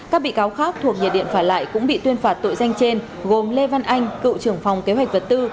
các bị cáo khác thuộc nhiệt điện phả lại cũng bị tuyên phạt tội danh trên gồm lê văn anh cựu trưởng phòng kế hoạch vật tư